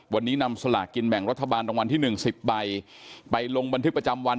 วันนี้นำสลากกินแบ่งรัฐบาลรางวัลที่หนึ่งสิบใบไปลงบันทึกประจำวัน